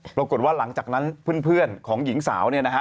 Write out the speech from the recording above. ปรากฏว่าหลังจากนั้นเพื่อนของหญิงสาวเนี่ยนะฮะ